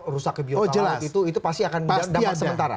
rusak ke biotara itu pasti akan dapat sementara